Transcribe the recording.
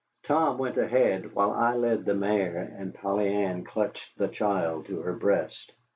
Tom went ahead, while I led the mare and Polly Ann clutched the child to her breast.